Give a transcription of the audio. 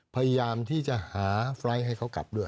พยายามที่จะหาไฟล์ทให้เขากลับด้วย